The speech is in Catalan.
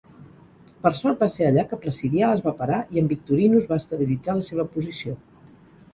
Per sort, va ser allà que Placidià es va parar i en Victorinus va estabilitzar la seva posició.